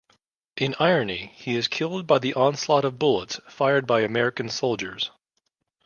In irony, he is killed by the onslaught of bullets fired by American soldiers.